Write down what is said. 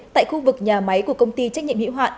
tại khu vực nhà máy của công ty trách nhiệm hữu hạn